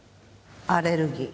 アレルギー。